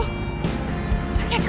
ah gimana agak sedikit